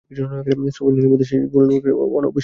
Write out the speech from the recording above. সবেধন নীলমণি সেই গোলটি করা নানির অবশ্য বিশ্বাস, আরও গোল আসবে।